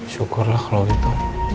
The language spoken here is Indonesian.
syukur lah kalau gitu